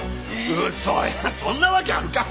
嘘やそんなわけあるかいな。